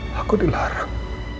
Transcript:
hai aku dilarang